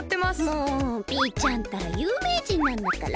もうピーちゃんったらゆうめいじんなんだから！